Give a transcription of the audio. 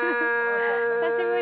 久しぶり。